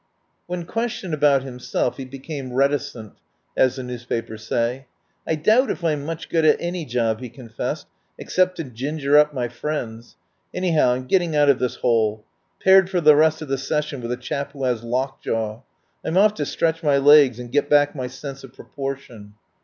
When questioned about himself he became reticent, as the newspapers say. "I doubt if I'm much good at any job," he confessed, "ex cept to ginger up my friends. Anyhow, I'm getting out of this hole. Paired for the rest of the session with a chap who has lockjaw. I'm off to stretch my legs and get back my sense of proportion."